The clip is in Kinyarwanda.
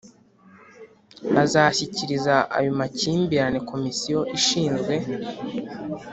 azashyikiriza ayo makimbirane Komisiyo ishinzwe